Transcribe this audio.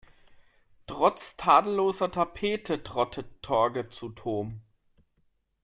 Trotz tadelloser Tapete trottet Torge zu Toom.